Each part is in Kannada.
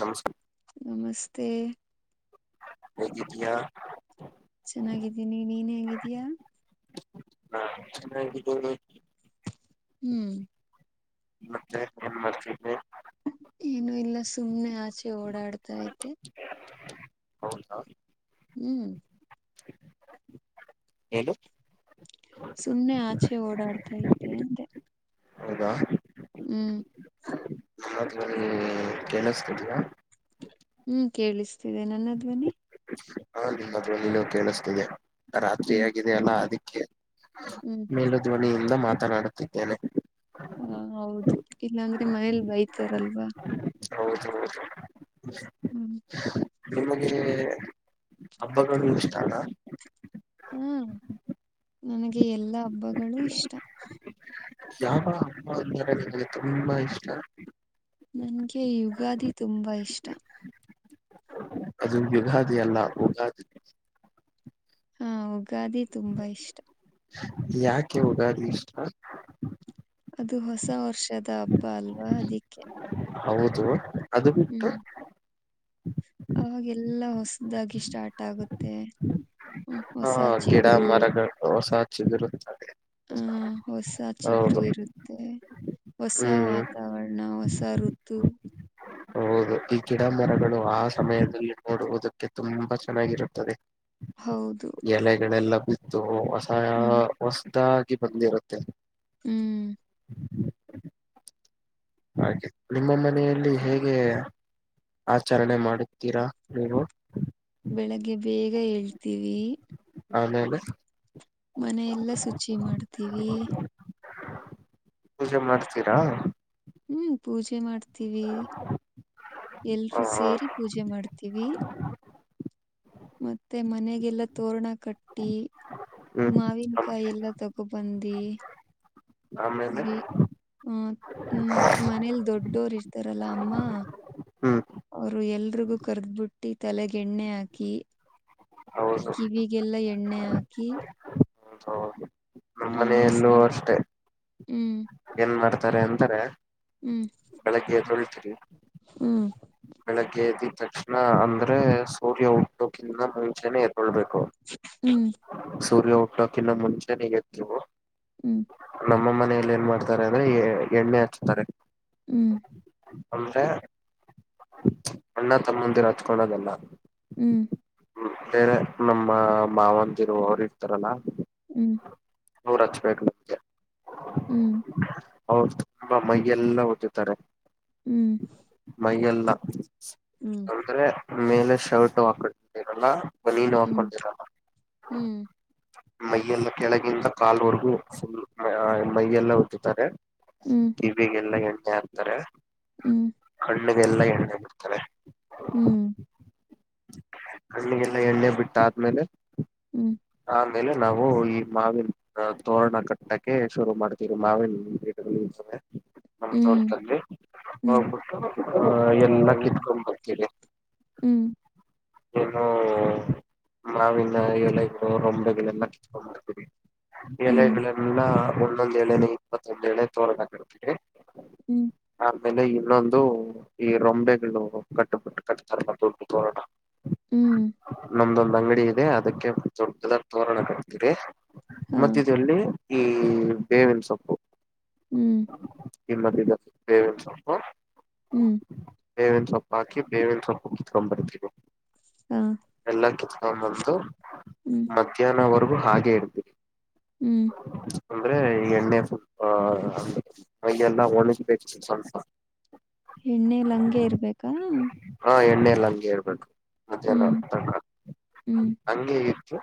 ನಮಸ್ಕಾರ ನಮಸ್ತೆ ಹೇಗಿದ್ದಯಾ ಚೆನ್ನಾಗಿದ್ದೀನಿ ನೀನ್ ಹೇಂಗಿದೀಯ ಹಾ ಹ್ಮ್ ಮತ್ತೆ ಏನ್ ಮಾಡ್ತಿದಿ ಏನು ಇಲ್ಲ ಸುಮ್ನೆ ಆಚೆ ಓಡಾಡ್ತೈತೆ ಹೌದಾ ಹ್ಮ್ ಹೇಳನು ಸುಮ್ನೆ ಆಚೆ ಓಡಾಡ್ತಾ ಇದೆ ಅಂತೆೆ ಹೌದಾ ಹ್ಮ್ ದ್ಲ್ಲಿ ಕೆೇಳಿಸತಿದಯಾ ಹ್ಮ್ ಕೇಳಿಸ್ತೇಿದೆ ನನ್ನಧ್ವನಿ ಹಾ ನಿಮ್ಮದ್ ನಿಲೋ ಕೇಳಿಸ್ತಿದೆ ರಾತ್ರಿ ಹ್ಮ್ ಆಗಿದೆ ಅಲ್ಲಾ ಅದಿಕ್ಕೆ ಹ್ಮ್ ಮೇಲುಧ್ವನಿಯಿಂದ ಮಾತನಾಡುತ್ತಿದ್ದೇನೆ ಹ ಹೌದು ಇಲ್ಲಾಂದ್ರೆ ಮನೇಲಿ ಬೈತಾರಲ್ವಾ ಹೌದ ಹೌದು ಹ್ಮ್ ನಿಮಗೆ ಹಬ್ಬಗಳು ಇಷ್ಟ ಅಲ್ಲ ಹಾ ನನಗೆ ಎಲ್ಲಾ ಹಬ್ಬಗಳೂ ಇಷ್ಟ ಯಾವ ಅಮ್ಮ ಅಂದಾರಗೆ ತುಂಬಾ ಇಷ್ಟ ನನ್ಗೆ ಯುಗಾದಿ ತುಂಬಾ ಇಷ್ಟ ಅದು ಯುಗಾದಿ ಅಲ್ಲ ಉಗಾದಿ ಹಾ ಉಗಾದೆ ತುಂಬಾ ಇಷ್ಟ ಯಾಕೆ ಉದಾರಣ ಇಷ್ಟಾರ್ ಅದು ಹೊಸ ವರ್ಷದ ಹಬ್ಬ ಅಲ್ವಾ ಅದಿಕ್ಕೆ ಹೌದು ಅದು ಬಿಟ್ಟು ಹ್ಮ್ ಅವಾಗೆಲ್ಲಾ ಹೊಸದಾಗಿ ಸ್ಟಾರ್ಟ್ ಆಗುತ್ತೆ ಹ್ಮ ಹಾ ಹೊಸ ಕಿಡ ಚಿಗುರು ಮರಗ ಹೊಸ ಚರು ಹ ಹೊಸ ಚಿಗರು ಇರುತ್ತೆ ಹೊಸ ಹ್ಮ್ ವಾತಾವರಣ ಹೊಸ ಋತು ಹೌದು ಈ ಗಿಡ ಮರಗಳು ಆ ಸಮಯದಲ್ಲಿ ನಓಡುವುದಕ್ಕೆ ತುಂಬಾ ಚೆನ್ನಾಗಿರುತ್ತದೆ ಹೌದು ಎಲೆಗಳೆಲ್ಲ ಬಿತ್ತು ಹೊಸ ಹ್ಮ್ ಹೊಸದ ಬಂದ ಇರುತ್ತೆ ಹ್ಮ್ ಹಾಗೆ ನಿಮ್ಮ ಮನೆಯಲ್ಲಿ ಹೇಗೆ ಆಚರಣೆ ಮಾಡುತ್ತೀರಾ ನೀವು ಬೆಳಗ್ಗೆ ಬೇಗ ಏಳ್ತೀವಿ ಹೈದೇನ ಮನೆಯ ಎಲ್ಲಾ ಶುಚಿ ಮಾಡ್ತೀವಿ ಪೂಜೆ ಮಾಡ್ತೀರಾ ಹ್ಮ್ ಪೂಜೆ ಮಾಡ್ತ ಹ ಎಲ್ರುೂ ಸೇರಿ ಪೂಜೆ ಮಾಡ್ತೀವಿ ಮತ್ತೆ ಮನೆಗೆಲ್ಲಾ ತೋರ್ಣಕ್ ಕಟ್ಟಿ ಹ್ಮ್ ಆಮ್ ಮಾವಿನಕಾಯಿ ಎಲ್ಲ ತಗೊಬಂದಿ ಆಮೇಲೆ ಹ್ಮ ಮತ್ತೆ ಮನೇಲಿ ದೊಡ್ಡೋರು ಇರ್ತಾರಲ್ಲ ಅಮ್ಮ ಹ್ಮ್ ಅವರು ಎಲ್ರಿಗೂ ಕರ್ದ್ಬಿಟ್ಟಿ ತಲೆಗೆಣ್ಣೆ ಹಾಕಿ ಹೌದು ಕಿವಿಗೆಲ್ಲಾ ಎಣ್ಣೆ ಹಾಕಿ ಹ ಹೌ ನಮ್ಮ ಮನೆಯ ಆಮೇಲೆ ಎಲ್ಲೂ ಸ್ನಾನ ಅಷ್ಟೆ ಹ್ಮ್ ಏನ್ ಮಾಡ್ತಾರೆ ಎಂತಾರೆ ಹ್ಮ್ ಬೆಳಗ್ಗೆ ತೊಳ್ತೀರಿ ಹ್ಮ ಬೆಳಗ್ಗೆ ಎದಿದ ತಕ್ಷಣ ಅಂದ್ರೆ ಸೂರ್ಯ ಉದ್ಯಕ್ಕಿಂದ ಮುಂಚೆನೆ ಎರ್ಕೊಳ್ಬೇಕು ಹ್ಮ್ ಸೂರ್ಯ ಹುಟ್ಟೋಕಿನ್ನ ಮುಂಚೆನಗತ್ ನೀವು ಹ್ಮ್ ನಮ್ಮ ಮನ ಎಣ್ಣೆಯಲ್ಲಿ ಏನ್ ಮಾಡ್ತಾರೆ ಅಂದ್ರೆ ಎಣ್ಣೆ ಹಾಚ್ತಾರೆ ಹ್ಮ್ ಅಂದ್ರೆ ಅಣ್ಣ ತಮ್ಮಂದಿರು ಹತ್ಕಳೋದೆಲ್ಲ ಹ್ಮ್ ಬೇರೆ ನಮ್ಮ ಮಾವಂತಿರು ಅವ್ರ ಇರ್ತಾರಲ್ಲ ಹ್ಮ್ ಹ್ಮ್ ನೂರು ಹಚ್ಬೇಕುಗೆ ಹ್ಮ್ ಹೌದು ತುಂಬಾ ಮೈ ಎಲ್ಲಾ ಉದ್ದುತ್ತಾರೆ ಹ್ಮ್ ಹ್ಮ್ ಅಂದ್ರೆ ಮೇಲೆ ಶರ್ಟ್ ಹಾಕರಲ್ಲ ಬಲಿ ನ ಹ್ಮ್ ಆಕೊಂಡ ಹ್ಮ್ ಮೈಯೆಲ್ಲ ಕೆಳಗಿಂದ ಕಾಲ್ವರೆಗೂ ಫುಲ್ ಮೈಯೆಲ್ಲ ಒದತ್ತುತ್ತಾರೆ ಹ್ಮ್ ಇವಿಗೆಲ್ಲ ಎಣ್ಣೆ ಆಗ್ತಾರೆ ಹ್ಮ್ ಹ್ಮ್ ಖಡ್ ಹಣ್ಣಗೆಲ್ಲ ಎಣ್ಣ ಬಿಡ್ತಾರೆ ಹ್ಮ್ ಹ್ಣಿಗೆಲ್ಲ ಎಣ್ಣೆ ಬಿಟ್ಟ ಆದ್ಮೇಲೆ ಹ್ಮ್ ಆಮೇಲೆ ನಾವು ಈ ಮಾವಿನ ತೋರಣ ಕಟ್ಟಕ್ಕೆ ಶುರು ಮಾಡ್ತೀವಿ ಮಾವಿಿನ [inaudible] ನಮ್ಮ ಹ್ಮ್ ತೋಟದಾಳಿ ಹೋಗ್ಬಿಟ್ಟು ಆಹ ಎಲ್ಲಾ ಕಿತ್ಕೊಂಡ್ ಬರ್ತೀರಿ ಹ್ಮ್ ಏನೋ ಮಾವಿನ ಎ ರೊಂಬಗಳೆ ಕತ ಹ್ಮ್ ಎಲೆಗಳೆನ್ನ ಒಂದೊಂದ್ ಎೇಳೆನೆ ಇಪ್ಪತ್ತೊಂದ ೇಳೆ ತೋಳೋ ಹಾಕಿರ್ತದೆ ಹ್ಮ್ ಆಮೇಲೆ ಇನ್ನೊಂದು ಈ ರೊಂಬೆಗಳು ಕಟ್ಟುಬಟ್ಟು ಕಟ್ತಾರ ಮ ದುಡ್ಡು ತೋಡೋಣ ಹ್ಮ್ ನಮ್ದೊಂದ್ ಅಂಗಡಿ ಇದೆ ಅದಕ್ಕೆ ದೊಡ್ಡದಾಗಿ ತೋರಣ ಕಟ್ತೀರಿ ಹಾ ಮತ್ತ ಇದಲ್ಲಿ ಈ ಬೇವಿನ ಸೊಪ್ಪು ಹ್ಮ್ ನಿಮ್ಮದ ದೇವೇನ್ಸ ಹ ಹ್ಮ್ ಬೇವಿನ ಸೊಪ್ಪು ಹಾಕಿ ಬೇವಿನ ಸೊಪ್ಪು ಕತ್ಕೊಂಡ್ ಬರ್ತೀವಿ ಹಾ ಎಲ್ಲ ಕತ್ಕೊಂಡ ಬಂದು ಹ್ಮ್ ಮಧ್ಯಾಹ್ನವರೆಗೂ ಹಾಗೆ ಇಡ್ತೀವಿ ಹ್ಮ್ ಅಂದ್ರೆ ಎಣ್ಣೆ ಪು ಮ ಎಲ್ಲ ಒಣಗಬೇಕು ಸ್ವಲ್ಪ ಎಣ್ಣೇಲಿ ಹಂಗೆ ಇರ್ಬೇಕಾ ಎಲ್ಲ ಹಂಗೆ ಹೇಳ್ಬೇಕು ಮಧ್ಯಾಹ್ನ ಹ್ಮ್ ತ ಹ್ಮ್ ಹಂಗಗೆಗತ್ತು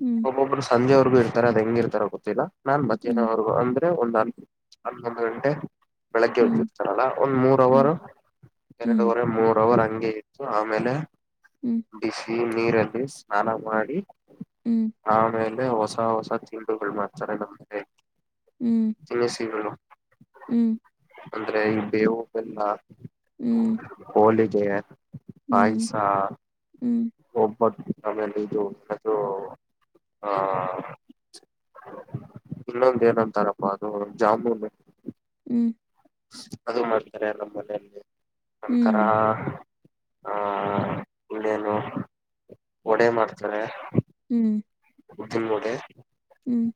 ಹ್ಮ್ ಒಬ್ಬೊಬ್ಬರು ಸಂಜೆವ್ರಿಗು ಇರ್ತಾರೆ ಅದ ಹೆಂಗ ಇರ್ತಾರ ಗೊತ್ತಿಲ್ಲ ನಾನ್ ಮಧ್ಯಾಹ್ನವ್ರುಗ ಅಂದ್ರೆ ಒಂದ ಹನ್ನೊಂದು ಗಂಟೆ ಬೆಳಗ್ಗೆ ಹ್ಮ್ ಹ್ಮ್ ಹದಿರ್ತಾರಲ್ಲ ಒಂದ್ ಮೂರ್ ಹ್ಮ್ ಅವರ್ ಹ್ಮ್ ಎರಡುುವರೆ ಮೂರ್ ಅವರ್ ಇತ್ತು ಆಮೇಲೆ ಹ್ಮ್ ಹ್ಮ್ ಬಿಸಿ ನೀರಲ್ಲಿ ಸ್ನಾನ ಮಾಡಿ ಹ್ಮ್ ಆಮೇಲೆ ಹೊಸ ಹೊಸ ತಿಂಡಗಳುಗಳು ಮಾಡ್ತಾರೆ ನಮ್ಗೆ ಹ್ಮ್ ತಿನ್ನ ಸಿೀ ಹ್ಮ್ ಅಂದ್ರೆ ಈ ಬೇವು ಬೆಲ್ಲ ಹ್ಮ್ ಪೈಸ ಹ್ಮ್ ಒಬ ಆಮೇಲೆ ಇದು ಅದು ಆ ಇನ್ನೊಂದ ಏನಂತಾರಪ್ಪಾ ಅದು ಜಾಮೂನು ಹ್ಮ್ ಅದು ಮಾಡ್ತಾರೆ ನಮ್ಮ ಮನೆಯಲ್ಲಿ ಒಂತರ ಆಹ ಉಳ್ಳೇನು ವಡೆ ಮಾಡ್ತಾರೆ ಹ್ಮ್ ್ದುಲ್ಬೋಟೆ ಹ್ಮ್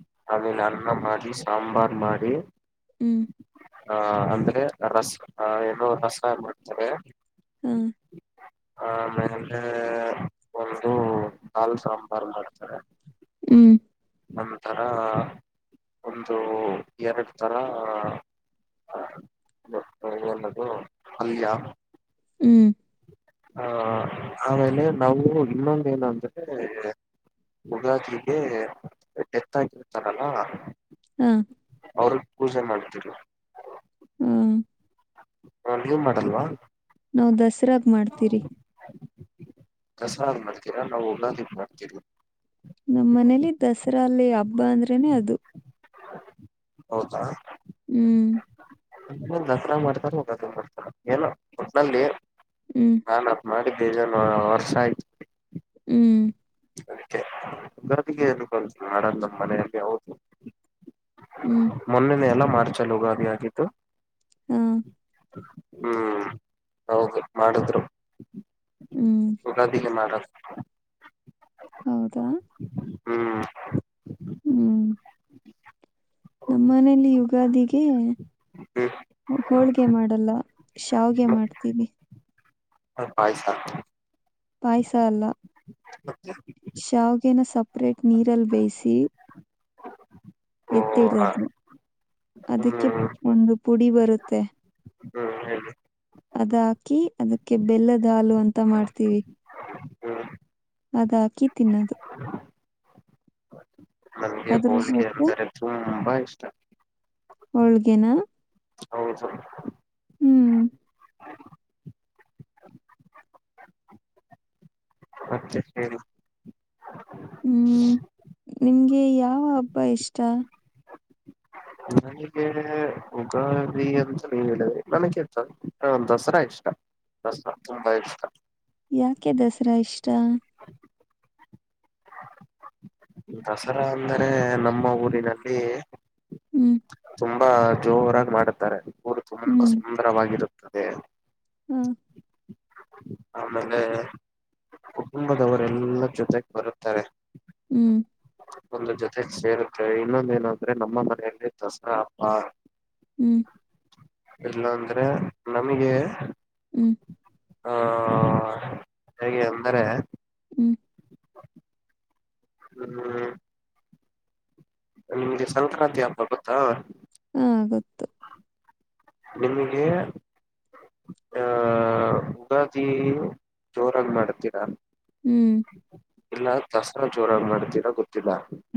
ೇಲೆ ಅಣ್ಣ ಮಾಡಿ ಸಾಂಬಾರ್ ಮಾಡಾರಿಿ ಹ ಅಂದ್ರೆ ರಸ್ ಏನೋ ರಸಾಯ ಮಾಡ್ತಾರೆ ಹಾ ಆಮೇಲೆ ಒಂದು ಕಾಲ್ ಸಾಂಬಾರ್ ಮಾಡ್ತಾರೆ ಹ್ಮ್ ಒಂತರ ಒಂದು ಎರಡು ತರ ಹದು ಅಲ್ಯ ಹ್ಮ್, ಹ ಆಮೇಲೆ ನಾವು ಇನ್ನೊಂದ ನಂದ್ರೆ ಉಗಾದಲಿಗೆ ಡೆತ್ ಆಗಿರುತ್ತಾರಲ್ಲ ಹಾ, ಅವ್ರ ಪೂಜೆ ಮಾಡ್ತರು ಹ್ಮ್ ನಾ ನೀ್ ಮಾಡಲ್ವಾ ನಾವು ದಸರಾಗ ಮಾಡ್ತೀರಿ ಕಸ ಮಾಡ್ತೀರಾ ನಾವು ಲಾಾದಿ ಮಾಡ್ತೀವಿ ನಮ್ಮ ಮನೇಲಿ ದಸರಾ ಅಲ್ಲಿ ಹಬ್ಬ ಅಂದ್ರೇನೆ ಅದು ಹೌದಾ ಹ್ಮ್, ್ ದಸರ ಮಾಡ್ತಾರೋಗ ಬರ್ತಾರ ಏನ ಒಟ್ನಲ್ಲಿ ಹ್ಮ್, ನಾನ್ ಮಾಡ ವರ್ಷ ಆಯ್ತ ಹ್ಮ್ ಗದಗೆಏನು ಕಲ್ಸ ಮಡ ನಮ್ಮ ಮನೆಯಲ್ಲಿ ಹೌದು ಹ್ಮ್, ಮೊನ್ನನೆಯಲ್ಲ ಮಾರ್ಚಲು ಉಗಾದಿಯಾಗಿಿದ್ದತ್ತು ಹಾ, ಹ್ಮ್ ಹೌದು ಮಾಡಿದ್ರು ಹ್ಮ್, ಯುಗಾದಿಗೆ ಮಾಡದ ಹ ಹೌದಾ ಹ್ಮ ಹ್ಮ್ ನಮ್ಮ ಮನೇಲಿ ಯುಗಾದಿಗೆ ಹೋಳ್ಗೆ ಮಾಡಲ್ಲ ಶಾವ್ಗೆ ಮಾಡ್ತೀವಿ ಹ ಪಾಯಸ ಪಾಯಸ ಅಲ್ಲ ಶಾವಗೆೇನ ಸಪ್ ಸಪ್ರೇಟ್ ನೀರಲ್ಲಿ ಬೇಯಿಸಿ ಓ ಹ ಎತ್ತಿಳದದು ಹ್ಮ್ ಅದಕ್ಕೆ ಒಂದು ಪುಡಿ ಬರುತ್ತೆ ಹ್ಮ ಹೇಳ ಅದ್ ಹಾಕಿ ಅದಕ್ಕೆ ಬೆಲ್ಲದ ಹಾಲು ಅಂತ ಮಾಡ್ತೀವಿ ಹ್ಮ್ ಅದಾಕಿ ತಿನ್ನೋದು ನಂಗೆ ಅದ್ರ ಹೋಳಿಗೆ ಜೊತೆ ಅಂದರೆ ತುಂಬಾ ಇಷ್ಟ ಹೋಳ್ಗೆನ ಹೌದ ಹ್ಮ್ ಮತ್ತೆ ಹೇಳಿ ಹ್ಮ್ ನಿಮ್ಗೆ ಯಾವ ಹಬ್ಬ ಇಷ್ಟ ನನಗೆ ಉಗಾದಿ ಅಂತ ನೀ ಹೇಳಿದ್ರಿ ನನಗೆ ದಸರಾ ಇಷ್ಟ ಬಸ ತುಂಬ ಇಷ್ಟ ಯಾಕೆ ದಸರಾ ಇಷ್ಟ ದಸರಾ ಅಂದರೆ ನಮ್ಮ ಊರಿನಲ್ಲಿ ಹ್ಮ್ ತುಂಬಾ ಜೋರಾಗಿ ಮಾಡುತ್ತಾರೆ ಊರು ತುಂಬಾ ಹ್ಮ್ ಸುಂದರವಾಗಿರುತ್ತದೆ ಹಾ ಆಮೇಲೆ ಕುಟುಂಬದವರೆಲ್ಲರ ಜೊತೆಗೆ ಬರುತ್ತಾರೆ ಹ್ಮ್ ಒಂದು ಜೊತೆ ಸೇರುತ್ತವೆ ಇನ್ನೊಂದ ಏನ ಅಂದ್ರೆ ನಮ್ಮ ಮನೆಯಲ್ಲಿ ದಸರಾ ಹಬ್ಬ ಹ್ಮ್ ಇಲ್ಲ ಅಂದ್ರೆ ನಮಗೆ ಹ್ಮ್ ಹ ಹೇಗೆ ಅಂದರೆ ಹ್ಮ್ ಹ್ಮ್್ಮ ನಿಮ್ಗೆ ಸಂಕ್ರಾಂತಿ ಹಪ ಗೊತ್ತಾ ಹಾ ಗೊತ್ತು ನಿಮಗೆ ಆ ಉುಗಾದಿ ಜೋರಾಗಿ ಮಾಡತೀರಾ ಹ್ಮ್ ಇಲ್ಲ ದಸರಾ ಜೋರಾಗಿ ಮಾಡ್ತೀರಾ ಗೊತ್ತ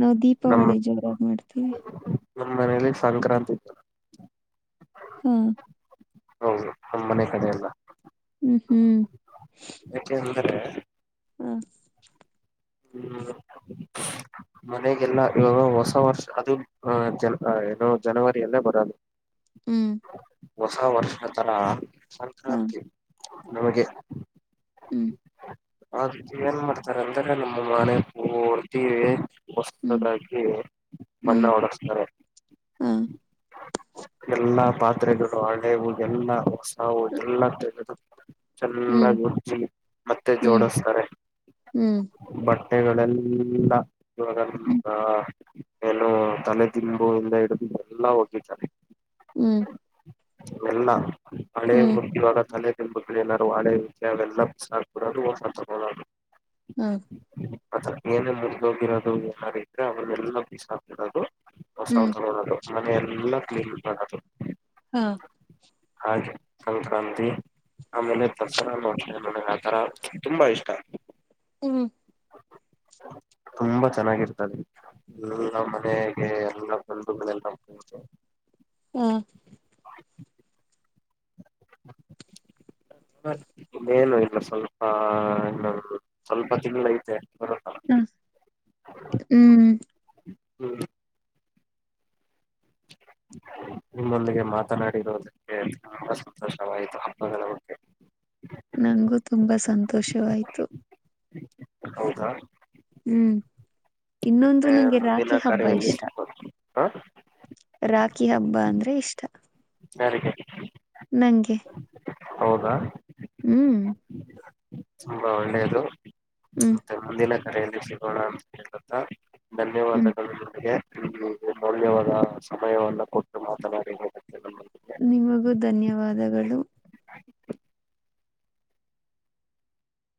ನಾವವು ದೀಪಾವಳಿ ಜೋರಾಗ ಮಾಡ್ತೀವಿ ನಮ್ಮ ಮನಲಿ ಸಂಕ್ರಾಂತಿ ಹಾ ಹೌದುಮ್ಮನೆ ಕಡೆ ಎಲ್ಲ ಹ್ಮ್ ಹ್ಮ್ ಯಾಕೆ ಅಂದ್ರೆ ಹಾ ಹ್ಮ್ ಮನೆಗೆಲ್ಲಾ ಇವಾಗ ಹೊಸ ವರ್ಷ ಅದು ಅ ಜ ಏನುೋ ಜನವರಿಯಲ್ಲೇ ಬರೋದು ಹ್ಮ್ ಹೊಸ ವರ್ಷ ತರ ಹಾ ಸಂಕ್ರಾಂತಿ ನಮಗೆ ಹ್ಮ್ ಅತಿ ಏನ್ ಮಾಡ್ತಾರ ಅಂದ್ರೆ ನಮ್ಮ ಮನೆ ಪೂ ಹೊಡ್ತೀವಿ ಹ್ಮ್ ಹೊಸದಾಗಿ ಬಣ್ಣ ಹ್ಮ್ ಹೊಡಸ್ತಾರೆ ಹಾ ಎಲ್ಲಾ ಪಾತ್ರೆಗಳು ಹಳೆವು ಎಲ್ಲಾ ಹೊಸವು ಎಲ್ಲ ತೆಗೆದು ಹ್ಮ್ ಚೆನ್ನಾಗ್ ಉಜ್ಜಿ ಮತ್ತೆ ಹ್ಮ್ ಜೋಡಸ್ತಾರೆ ಹ್ಮ್ ಬಟ್ಟೆಗಳೆಲ್ಲ ಇ ಎಲ್ಲೋ ತಲೆದಿಂಬು ಇಲ್ಲ ಹಿಡಿದು ಎಲ್ಲ ಹೋಗಿದ್ದಾರೆ ಹ್ಮ್ ಎಲ್ಲ ಮಳೆ ಹ್ಮ್ ಮುಗುವಾಗ ತಲೆ ಹೆ ಮಳು ನಾದಾರು ಒಳೆ ಅವೆಲ್ಲ ಸಡ ಹೋಗದು ಹ ಅ ಏನೆ ಮುರಿದೋಗಿರೋದು ಯಾರ ಇದ್ರೆ ಅವನ್ನೆಲ್ಲ ಬೀಸ ಹಾಕಿರೋದು ಹ್ಮ್ ಹೊಸೌದು ಮನೆ ಎಲ್ಲ ಕ್ಲೀನ್ ಆದು ಹಾ ಹಾಗೆ ಸಂಕ್ರಾಂತಿ ಆಮೇಲೆ ದಸರಾ ನೋ ನನಗೆ ಆ ತರ ತುಂಬಾ ಇಷ್ಟ ಹ್ಮ್ ತುಂಬಾ ಚೆನ್ನಾಗಿರ್ತದೆ ನಿನ್ನ ಮನೆಗೆ ಎಮಲ್ಲತ ಹಾ [inaudible] ಇನ್ನೇನು ಇಲ್ಲ ಸ್ವಲ್ಪ ಸ್ವಲ್ಪ ತಿಂಗಳು ಐತೆ ಹಾ ಹ್ಮ್ ಹ್ಮ [inaudible] ನಿಮ್ಮೊಂದಿಗೆ ಮಾತನಾಡಿರೋದಕ್ಕೆ ತುಂಬಾ ಸಂತೋಷವಾಯಿತು ಹಬ್ಬಗಳ ಬಗ್ಗೆ ನಗೂ ತುಂಬಾ ಸಂತೋಷವಾಯ್ತು ಹೌದಾ ಹ್ಮ್ ಇನ್ನೊಂದು ಮತ್ತೆ ನಂಗೆ ರಾಖಿ ಮುಂದಿನ ಹಬ್ಬ ಕರೆಯಲ್ಲಿ ಇಷ್ಟ ಸಿಗೋಣ ಹಾ ರಾಖಿ ಹಬ್ಬ ಅಂದ್ರೆ ಇಷ್ಟ ಸಾರಕ್ಕೆ ನಂಗೆ ಹೌದಾ ಹ್ಮ್ ತುಂಬಾ ಒಳ್ಳೇದು ಹ್ಮ್ ಮತ್ತೆ ಮುಂದಿನ ಕರೆಯಲ್ಲಿ ಸಿಗೋಣ ಅಂತ ಹೇಳುತ್ತಾ ಹ್ಮ್ ಧನ್ಯವಾದಗಳು ನಿಮಗೆ ಹ್ಮ್ ಮೌಲ್ಯವಾದ ಸಮಯವನ್ನ ಕೊಟ್ಟು ಮಾತನಾಡಿ ಹುತ್ತೆ ನಮ್ಮೊಂದಿಗೆ ನಿಮಗೂ ಧನ್ಯವಾದಗಳು